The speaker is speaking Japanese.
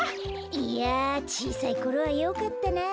いやちいさいころはよかったな。